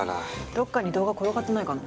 どっかに動画転がってないかな。